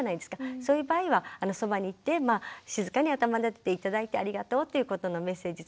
そういう場合はそばに行って静かに頭なでて頂いてありがとうっていうことのメッセージ伝えて頂けたらいいのかな